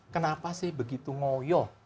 kenapa sih begitu ngoyoh